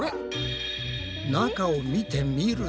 中を見てみると。